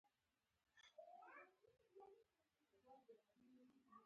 د افغانستان د اقتصادي پرمختګ لپاره پکار ده چې قانون پلی شي.